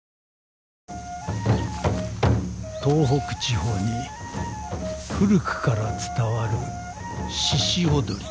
東北地方に古くから伝わるしし踊り。